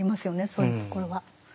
そういうところは。